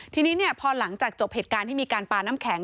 ทีนี้พอหลังจากจบเหตุการณ์ที่มีการปลาน้ำแข็ง